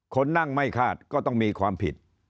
คนนั่งไม่คาดก็ต้องมีความผิด